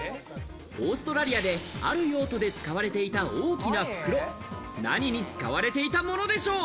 オーストラリアで、ある用途で使われていた大きな袋、何に使われていたものでしょう？